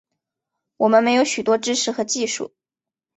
我们没有许多知识和技术